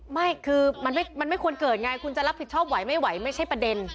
ไม่คือมันไม่ควรเกิดไงคุณจะรับผิดชอบไหวไม่ไหวไม่ใช่ประเด็น